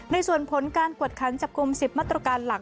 ในส่วนผลการกวดขันจับกลุ่ม๑๐มาตรการหลัก